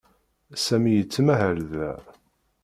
Sami yettmahal da.